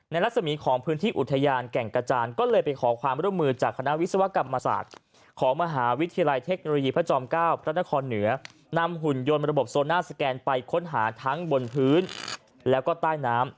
รัศมีของพื้นที่อุทยานแก่งกระจานก็เลยไปขอความร่วมมือจากคณะวิศวกรรมศาสตร์ของมหาวิทยาลัยเทคโนโลยีพระจอม๙พระนครเหนือนำหุ่นยนต์ระบบโซน่าสแกนไปค้นหาทั้งบนพื้นแล้วก็ใต้น้ำ